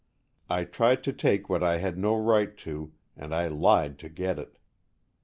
I tried to take what I had no right to and I lied to get it.